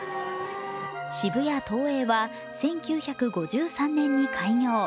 渋谷ＴＯＥＩは１９５３年に開業。